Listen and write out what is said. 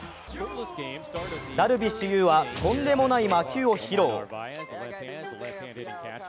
ダルビッシュ有はとんでもない魔球を披露。